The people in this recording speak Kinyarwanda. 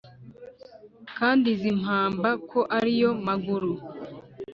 kandi izi mpamba ko ari yo maguru